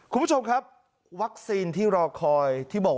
คุณผู้ชมครับวัคซีนที่รอคอย